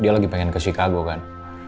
dia lagi pengen ke chicago kan